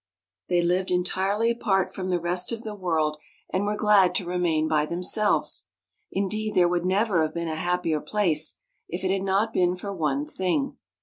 They lived en tirely apart from the rest of the world, and were glad to remain by themselves. Indeed there would never have been a hap pier place, if it had not been for one thing.